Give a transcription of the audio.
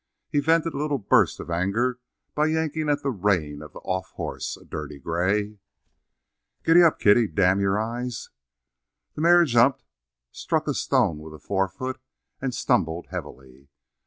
He vented a little burst of anger by yanking at the rein of the off horse, a dirty gray. "Giddap, Kitty, damn your eyes!" The mare jumped, struck a stone with a fore foot, and stumbled heavily.